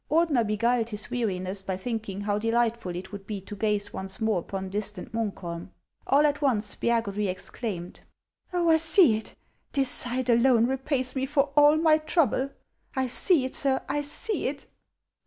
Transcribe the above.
Ordener beguiled his weari ness by thinking how delightful it would be to gaze once more upon distant Muukholm; all at once Spiagudry exclaimed :" Oh, I see it I This sight alone repays me for all my trouble. I see it, sir, I see it